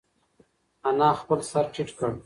انا خپل سر ټیټ کړ.